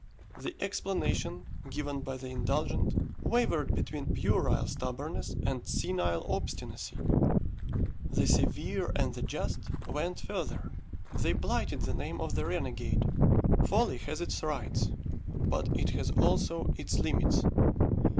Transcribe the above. The explanation given by the indulgent, wavered between puerile stubbornness and senile obstinacy. The severe and the just went further; they blighted the name of the renegade. Folly has its rights, but it has also its limits.